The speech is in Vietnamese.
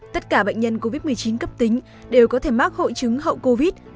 tất cả bệnh nhân covid một mươi chín cấp tính đều có thể mắc hội chứng hậu covid